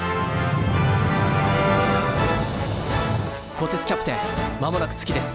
こてつキャプテンまもなく月です。